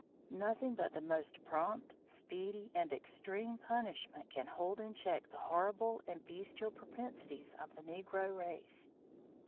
Nothing but the most prompt, speedy and extreme punishment can hold in check the horrible and beastial propensities of the Negro race.